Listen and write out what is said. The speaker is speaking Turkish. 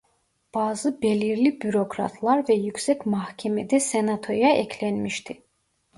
Bazı belirli bürokratlar ve yüksek mahkeme de Senato'ya eklenmişti.